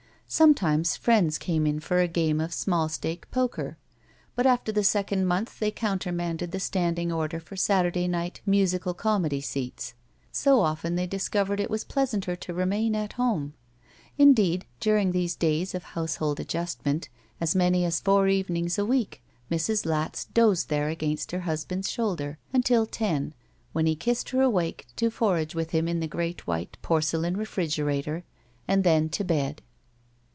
Sometimes friends came in for a game of small stake poker, but after the second month they counter manded the standing order for Saturday night musical comedy seats. So often they discovered it was pleasanter to remain at home. Indeed, during these days of household adjustment, as many as four evenings a week Mrs. Latz dozed there against her husband's shoulder, imtil about ten, when he kissed her awake to forage with him in the great white porcelain refrigerator and then to bed.